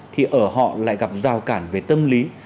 thì ở họ lại gặp rào cản về tâm lý